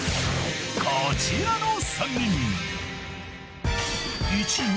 ［こちらの３人］